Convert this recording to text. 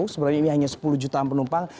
sebenarnya ini hanya sepuluh jutaan penumpang